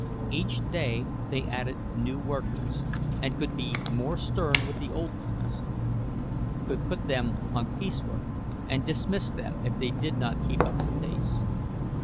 Each day they added new workers, and could be more stern with the old ones—could put them on piecework, and dismiss them if they did not keep up the pace.